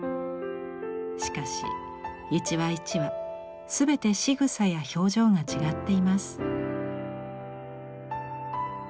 しかし一羽一羽全てしぐさや表情が違っています。